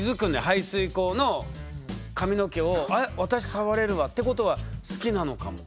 排水溝の髪の毛をあれ私触れるわってことは好きなのかも。